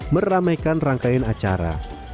meramaikan rangkaian acara